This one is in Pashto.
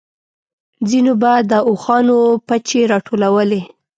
ځينو به د اوښانو پچې راټولولې.